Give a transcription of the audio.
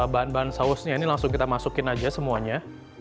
bahan bahan sausnya ini langsung kita masukin aja semuanya